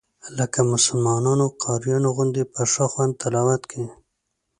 لکه مسلمانانو قاریانو غوندې په ښه خوند تلاوت کوي.